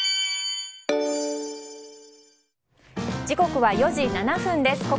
時刻は４時７分です。